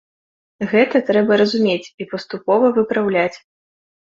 Гэта трэба разумець і паступова выпраўляць.